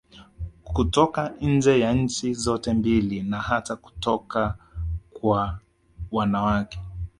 Kutoka nje ya nchi zote mbili na hata kutoka kwa wanawake